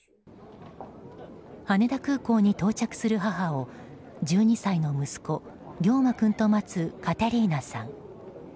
羽田空港に到着する母を１２歳の息子リョウマ君と待つカテリーナさん。